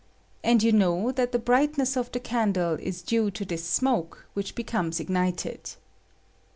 And you know that the brightness of the candle is due to this smoke, which becomes ignited.